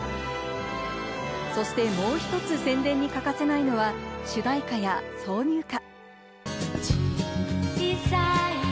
そしてもう一つ、宣伝に欠かせないのは、主題歌や挿入歌。